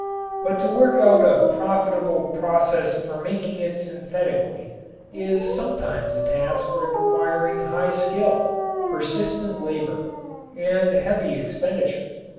But to work out a profitable process for making it synthetically is sometimes a task requiring high skill, persistent labor and heavy expenditure.